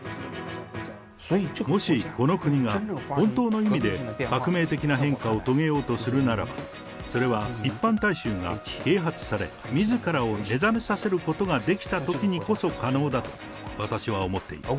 もしこの国が本当の意味で革命的な変化を遂げようとするならば、それは一般大衆が啓発され、みずからを目覚めさせることができたときにこそ可能だと私は思っている。